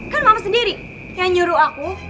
kan mama sendiri yang nyuruh aku